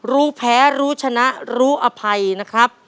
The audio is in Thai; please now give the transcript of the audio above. รู้แพ้รู้ชนะรู้อภัยนะครับ